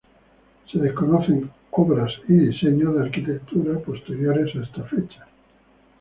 Se desconocen obras y diseños de arquitectura posteriores a esta fecha.